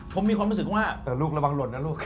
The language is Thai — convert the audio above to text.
ผมมีความรู้สึกว่า